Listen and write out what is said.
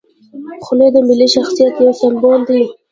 خولۍ د ملي شخصیت یو سمبول دی.